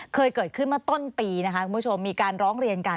เคยเกิดขึ้นมาต้นปีนะคะคุณผู้ชมมีการร้องเรียนกัน